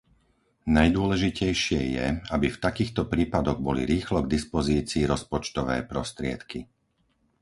Najdôležitejšie je, aby v takýchto prípadoch boli rýchlo k dispozícii rozpočtové prostriedky.